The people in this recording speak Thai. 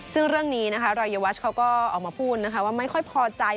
ซึ่งเรื่องนี้นะคะรายวัชเขาก็ออกมาพูดนะคะว่าไม่ค่อยพอใจ